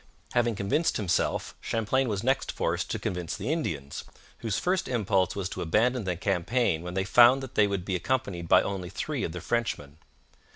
Having convinced himself, Champlain was next forced to convince the Indians, whose first impulse was to abandon the campaign when they found that they would be accompanied by only three of the Frenchmen.